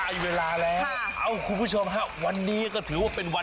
เวลาแล้วเอ้าคุณผู้ชมฮะวันนี้ก็ถือว่าเป็นวัน